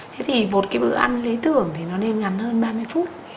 thế thì một cái bữa ăn lý tưởng thì nó nên ngắn hơn ba mươi phút